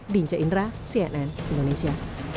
binca indra cnn indonesia